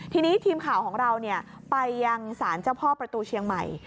ทีนี้ทีมข่าวของเราไปยังศาลเจ้าพ่อประตูเชียงใหม่